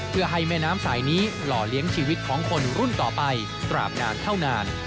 เพื่อให้แม่น้ำสายนี้หล่อเลี้ยงชีวิตของคนรุ่นต่อไปตราบนานเท่านาน